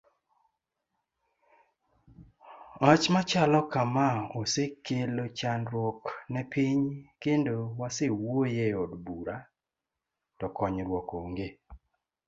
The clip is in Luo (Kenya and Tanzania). Wch machalo kama osekelo chandruok ne piny kendo wasewuoye od bura to konyruok onge.